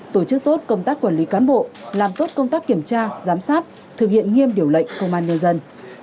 tổ chức tốt công tác quản lý cán bộ làm tốt công tác kiểm tra giám sát thực hiện nghiêm điều lệnh công an nhân dân